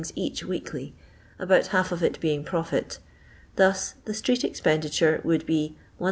each weekly, about half of it being profit ; thus the •treet expenditure would be 1664